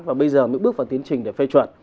và bây giờ mới bước vào tiến trình để phê chuẩn